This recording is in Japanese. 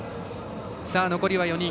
残りは４人。